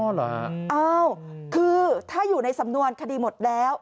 อ้าวคือถ้าอยู่ในสำนวนคดีหมดแล้ว